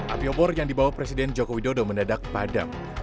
api obor yang dibawa presiden joko widodo mendadak padam